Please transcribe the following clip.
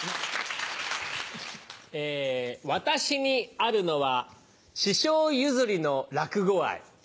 私にあるのは師匠譲りの落語愛。